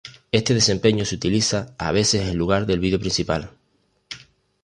Este desempeño se utiliza a veces en lugar del vídeo principal.